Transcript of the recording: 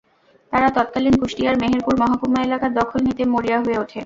তারা তৎকালীন কুষ্টিয়ার মেহেরপুর মহকুমা এলাকা দখল নিতে মরিয়া হয়ে ওঠে।